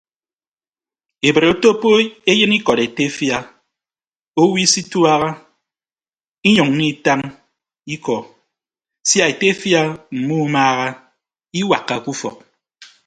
Ebre otoppo eyịn ikọd etefia owo isituaha inyʌññọ itañ ikọ sia etefia mmumaaha iwakkake ufọk.